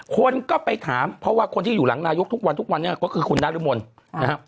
คนก็ไปถามเพราะว่าคนที่อยู่หลังนายกทุกวันทุกวันนี้ก็คือคุณนรมนนะครับ